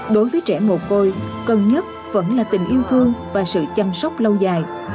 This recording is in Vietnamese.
đối với trẻ mồ côi cân nhấp vẫn là tình yêu thương và sự chăm sóc lâu dài